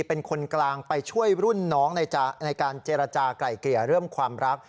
เป็นคนกลางไปช่วยรุ่นน้องในการเจรจากลายเกลี่ยเรื่องความรัก